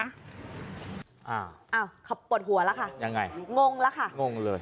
อ้าวอ้าวเขาปวดหัวแล้วค่ะยังไงงงแล้วค่ะงงเลย